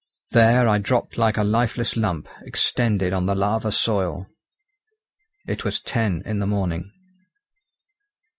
There I dropped like a lifeless lump, extended on the lava soil. It was ten in the morning.